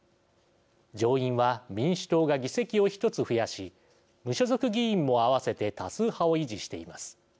上院は、民主党が議席を１つ増やし無所属議員も合わせて多数派を維持しています。